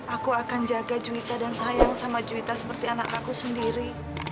aku akan jaga juita dan sayang sama cerita seperti anak aku sendiri